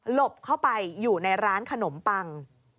บเข้าไปอยู่ในร้านขนมปัง